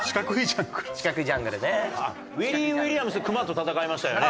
ウィリー・ウィリアムス熊と戦いましたよね？